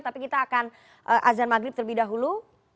tapi kita akan azan maghrib terlebih dahulu